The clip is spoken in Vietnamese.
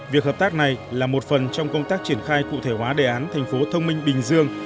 việc hợp tác này là một phần trong công tác triển khai cụ thể hóa đề án thành phố thông minh bình dương